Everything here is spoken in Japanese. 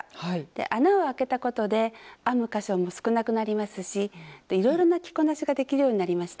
穴をあけたことで編む箇所も少なくなりますしいろいろな着こなしができるようになりました。